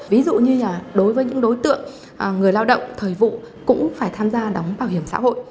ví dụ như là đối với những đối tượng người lao động thời vụ cũng phải tham gia đóng bảo hiểm xã hội